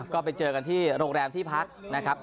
ก็ไปเจอกันที่โรงแรมที่พักนะครับ